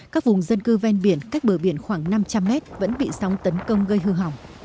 các vùng dân cư ven biển cách bờ biển khoảng năm trăm linh mét vẫn bị sóng tấn công gây hư hỏng